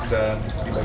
sudah terhendam air